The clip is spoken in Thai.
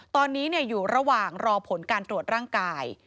ตอนนี้อยู่ระหว่างรอผลการตรวจร่างกาย